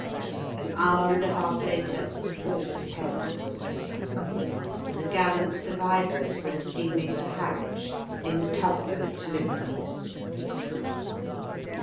An hour and a half later all peril was over, and the gallant survivors were steaming for Harwich in the tug boat Liverpool.